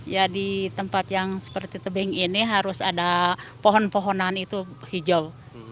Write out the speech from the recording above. ya di tempat yang seperti tebing ini harus ada pohon pohonan itu hijau